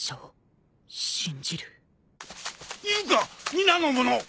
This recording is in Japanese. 皆の者！